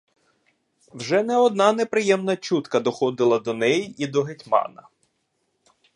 Вже не одна неприємна чутка доходила до неї й до гетьмана.